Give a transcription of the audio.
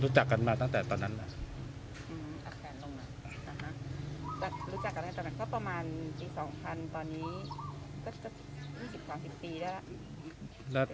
รู้จักกันมาตั้งแต่ตอนนั้นก็ประมาณปีสองพันตอนนี้ก็ก็ยี่สิบขวานสิบปี